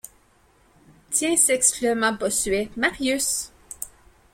Tiens! s’exclama Bossuet, Marius !